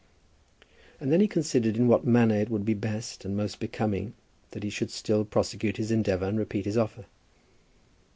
And then he considered in what manner it would be best and most becoming that he should still prosecute his endeavour and repeat his offer.